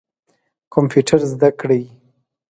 کمپیوټر زده کړئ